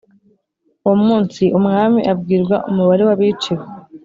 Uwo munsi umwami abwirwa umubare w abiciwe